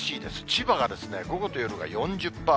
千葉が午後と夜が４０％。